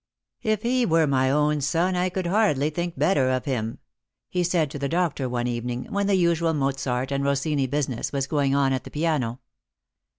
" If he were my own son I could hardly think better of him," he said to the doctor one evening, when the usual Mozart and Rossini business was going on at the piano.